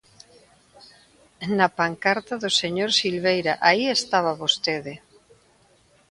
¡Na pancarta do señor Silveira, aí estaba vostede!